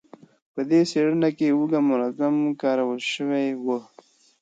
په دې څېړنه کې هوږه منظم کارول شوې وه.